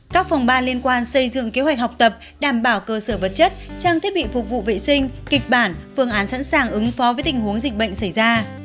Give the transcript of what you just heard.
các phòng ban liên quan xây dựng kế hoạch học tập đảm bảo cơ sở vật chất trang thiết bị phục vụ vệ sinh kịch bản phương án sẵn sàng ứng phó với tình huống dịch bệnh xảy ra